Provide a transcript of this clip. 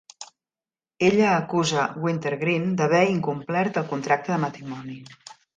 Ella acusa Wintergreen d'haver incomplert el contracte de matrimoni.